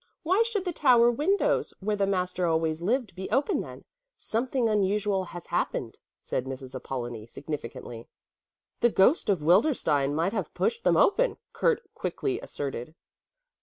"Why should the tower windows, where the master always lived, be opened then? Something unusual has happened," said Mrs. Apollonie significantly. "The ghost of Wildenstein might have pushed them open," Kurt quickly asserted.